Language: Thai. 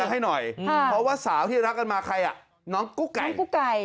ให้หน่อยเพราะว่าสาวที่รักกันมาใครอ่ะน้องกุ๊กไก่กุ๊กไก่